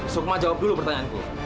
sukma jawab dulu pertanyaanku